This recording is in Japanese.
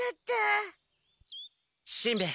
しんべヱ